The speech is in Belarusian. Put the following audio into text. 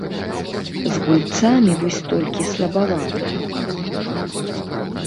З гульцамі вось толькі слабавата.